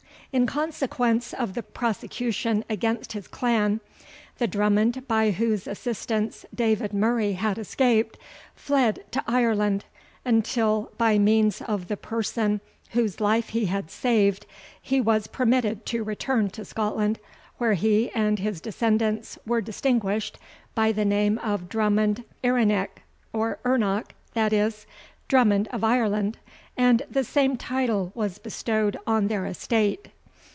In consequence of the prosecution against his clan, the Drummond by whose assistance David Murray had escaped, fled to Ireland, until, by means of the person whose life he had saved, he was permitted to return to Scotland, where he and his descendants were distinguished by the name of Drummond Eirinich, or Ernoch, that is, Drummond of Ireland; and the same title was bestowed on their estate.